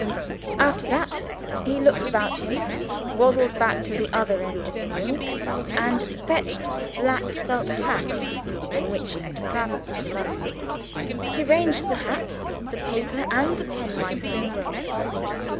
After that, he looked about him; waddled back to the other end of the room; and fetched the black felt hat in which he had traveled from London. He ranged the hat, the paper, and the pen wiper in a row.